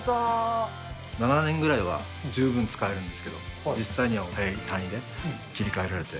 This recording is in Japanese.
７年ぐらいは十分使えるんですけど、実際には早い単位で切り替えられて。